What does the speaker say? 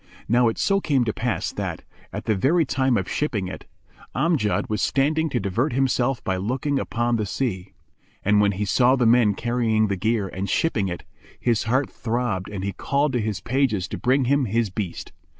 Now it so came to pass that, at the very time of shipping it, Amjad was standing to divert himself by looking upon the sea; and when he saw the men carrying the gear and shipping it, his heart throbbed and he called to his pages to bring him his beast.